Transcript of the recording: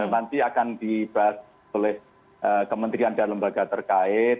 nanti akan dibahas oleh kementerian dan lembaga terkait